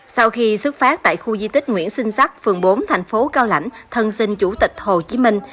sau khi xuất phát tại khu di tích nguyễn sinh sắc phường bốn thành phố cao lãnh thân sinh chủ tịch hồ chí minh